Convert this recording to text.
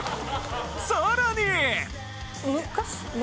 さらに！